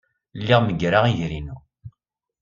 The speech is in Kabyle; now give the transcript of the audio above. Lliɣ meggreɣ iger-inu.